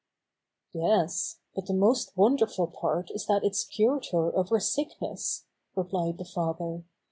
"Yes, but the most wonderful part is that it's cured her of her sickness," replied the father.